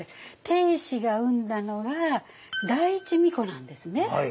定子が産んだのが第一皇子なんですね。